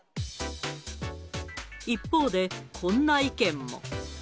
一方で、こんな意見も。